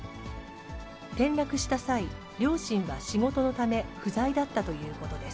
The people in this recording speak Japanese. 転落した際、両親は仕事のため、不在だったということです。